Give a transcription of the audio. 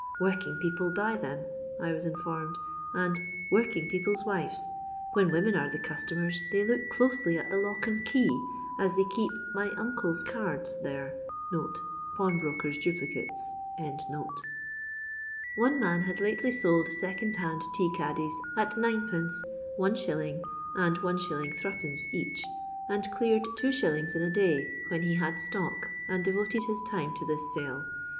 " Working people buy them," I was informed, and "working people's wives. When women are the customers they look closely at the lock and key, as they keep 'ny uncle's cards' there" (pawnbroker's duplicates). One man had lately sold second hand tea caddies at 9d., Is., and Is. M. each, and cleared 2s. in a day when he had stock and devoted his time to this sale.